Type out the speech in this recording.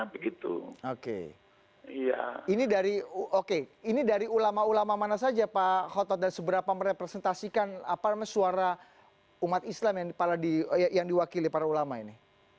oke ini dari oke ini dari ulama ulama mana saja pak khotot dan seberapa merepresentasikan suara umat islam yang diwakili para ulama ini